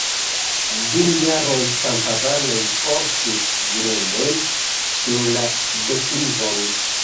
Dum jaroj kamparanoj portis grundojn sur la deklivon.